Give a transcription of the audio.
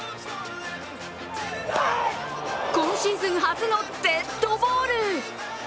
今シーズン初のデッドボール。